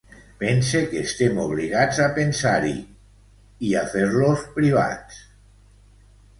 Pense que estem obligats a pensar-hi i a fer-los privats.